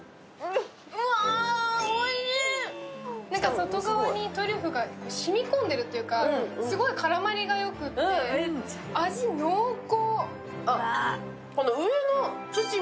外側にトリュフが染み込んでるというか、すごい絡まりがよくて味、濃厚。